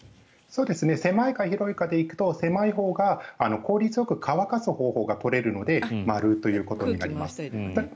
狭いか広いかでいくと狭いほうが効率よく乾かす方法が取れるので○ということになります。